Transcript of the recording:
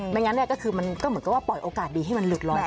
ไม่อย่างไรก็คือที่มันเหมือนก้อปล่อยโอกาสดีให้มันลึกล้วไป